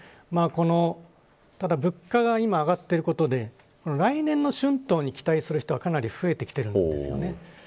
物価が今上がっていることで来年の春闘に期待する人はかなり増えています。